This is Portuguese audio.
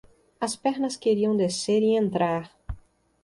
As pernas queriam descer e entrar.